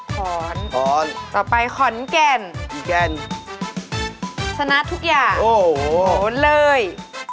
ขอนต่อไปขอนแก่นสนัดทุกอย่างหมดเลย